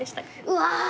うわ。